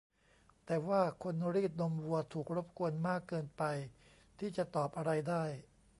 แต่ว่าคนรีดนมวัวถูกรบกวนมากเกินไปที่จะตอบอะไรได้